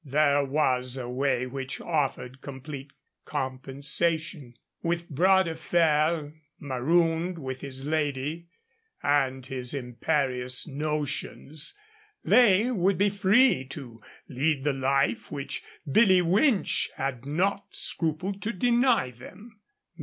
There was a way which offered complete compensation. With Bras de Fer marooned with his lady and his imperious notions, they would be free to lead the life which Billy Winch had not scrupled to deny them.